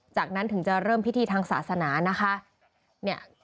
จากนั้นถึงจะเริ่มพิธีทางศาสนานะคะ